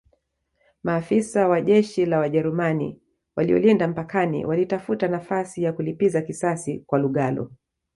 Maafisa wa jeshi la Wajerumani waliolinda mpakani walitafuta nafasi ya kulipiza kisasi kwa Lugalo